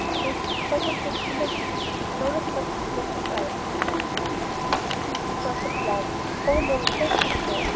Chris, somewhat less ill at ease, now he had got his message out, shifted his feet and gave a short laugh. "Oh no, thank you, sir.